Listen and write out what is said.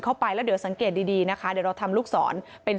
เข้าไปแล้วเดี๋ยวสังเกตดีดีนะคะเดี๋ยวเราทำลูกศรเป็น